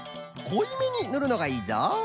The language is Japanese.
こいめにぬるのがいいぞ。